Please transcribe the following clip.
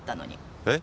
えっ！？